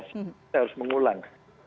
saya harus mengulang